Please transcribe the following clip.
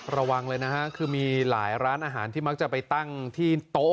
ระวังเลยนะฮะคือมีหลายร้านอาหารที่มักจะไปตั้งที่โต๊ะ